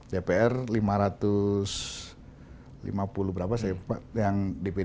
dpr lima ratus lima puluh berapa yang dpd satu ratus tiga puluh enam